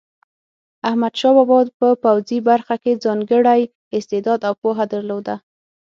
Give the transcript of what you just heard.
احمدشاه بابا په پوځي برخه کې ځانګړی استعداد او پوهه درلوده.